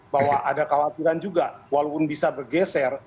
bahwa ada khawatiran juga walaupun bisa bergeser